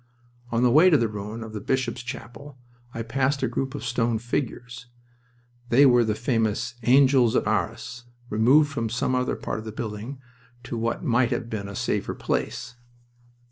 On the way to the ruin of the bishop's chapel I passed a group of stone figures. They were the famous "Angels of Arras" removed from some other part of the building to what might have been a safer place.